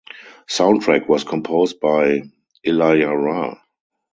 Soundtrack was composed by Ilayaraja.